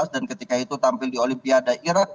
dan ketika itu tampil di olimpiada irak